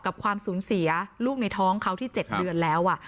ความสูญเสียลูกในท้องเขาที่๗เดือนแล้ว